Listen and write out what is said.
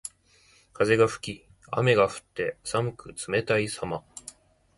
風が吹き雨が降って、寒く冷たいさま。